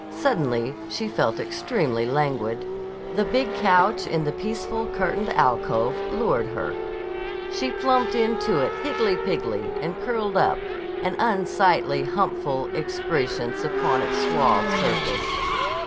Suddenly she felt extremely languid. The big couch in the peaceful, curtained alcove lured her. She plumped into it higgledy piggledy and curled up, an unsightly, humpful excrescence upon its suave surface.